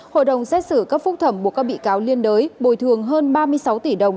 hội đồng xét xử cấp phúc thẩm buộc các bị cáo liên đới bồi thường hơn ba mươi sáu tỷ đồng